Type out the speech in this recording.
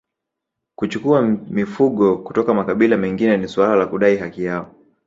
Kuchukua mifugo kutoka makabila mengine ni suala la kudai haki yao